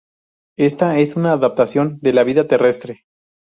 Esta es una adaptación a la vida terrestre.